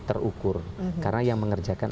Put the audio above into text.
terukur karena yang mengerjakan